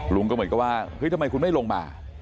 ก็เหมือนกับว่าเฮ้ยทำไมคุณไม่ลงมา